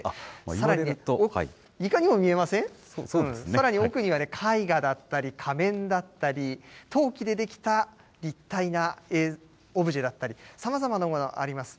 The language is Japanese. さらに奥には、絵画だったり、仮面だったり、陶器で出来た立体なオブジェだったり、さまざまなものがあります。